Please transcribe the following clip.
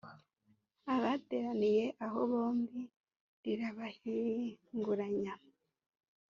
abateraniye aho bombi rirabahinguranya.